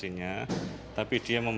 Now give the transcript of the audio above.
tetap mendapatkan aplikasi peduli lindungi